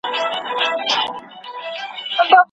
که زکات په سمه توګه ورکړل سي نو بېوزلي به ختمه سي.